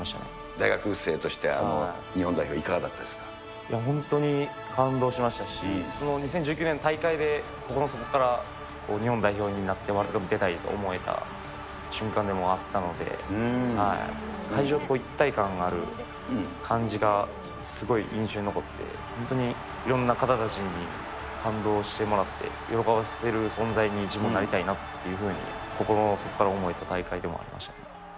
大学生として、いや、本当に感動しましたし、その２０１９年の大会で心の底から日本代表になってワールドカップ出たいと思えた瞬間なので、会場と一体感がある感じがすごい印象に残って、本当にいろんな方たちに感動してもらって、喜ばせる存在に、自分もなりたいなっていうふうに、心の底から思えた大会でもありました。